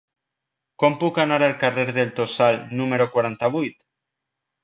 Com puc anar al carrer del Tossal número quaranta-vuit?